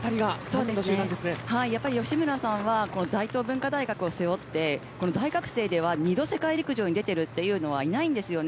吉村さんは大東文化大学を背負って大学生では２度、世界陸上に出ているというのはいないんですよね。